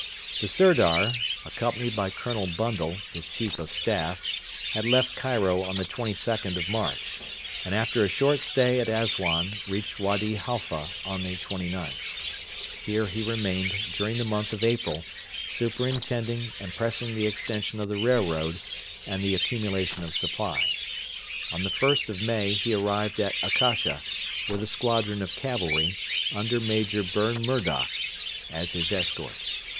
The Sirdar, accompanied by Colonel Bundle, his Chief of Staff, had left Cairo on the 22nd of March, and after a short stay at Assuan reached Wady Halfa on the 29th. Here he remained during the month of April, superintending and pressing the extension of the railroad and the accumulation of supplies. On the 1st of May he arrived at Akasha, with a squadron of cavalry, under Major Burn Murdoch, as his escort.